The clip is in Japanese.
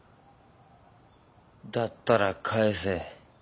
だったら帰せ。